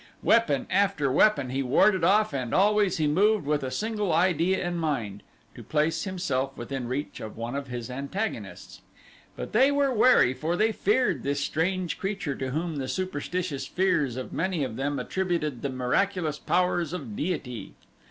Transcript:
Weapon after weapon he warded off and always he moved with a single idea in mind to place himself within reach of one of his antagonists. But they were wary for they feared this strange creature to whom the superstitious fears of many of them attributed the miraculous powers of deity.